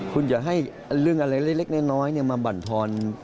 คุณอย่าให้เรื่องอะไรเล็กน้อยมาบรรทอน